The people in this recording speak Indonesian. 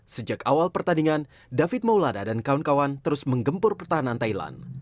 sejak awal pertandingan david maulana dan kawan kawan terus menggempur pertahanan thailand